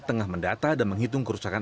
tengah mendata dan menghitung kerusakan